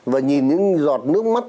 và nhìn những giọt nước mắt